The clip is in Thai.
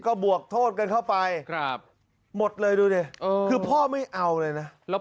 ก็บวกโทษกันเข้าไปครับหมดเลยดูดิคือพ่อไม่เอาเลยนะแล้ว